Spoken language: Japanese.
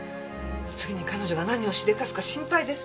次に彼女が何をしでかすか心配です。